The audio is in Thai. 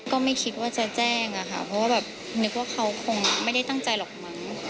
ก็ไม่คิดว่าจะแจ้งอะค่ะเพราะว่าแบบนึกว่าเขาคงไม่ได้ตั้งใจหรอกมั้ง